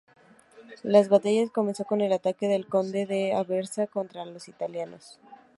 La batalla comenzó con el ataque del conde de Aversa contra los italianos.